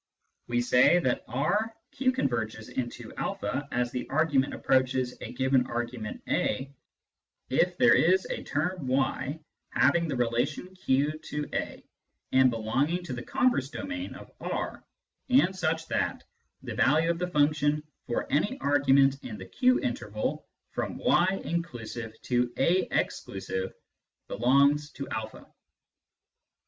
We say that R " Q converges into a as the argument approaches a given argument a " if there is a term y having the relation Q to a and belonging to the converse domain of R and such that the value of the function for any argument in the Q interval from y (inclusive) to a (exclusive) belongs to a.